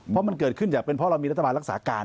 เพราะมันเกิดขึ้นอยากเป็นเพราะเรามีรัฐบาลรักษาการ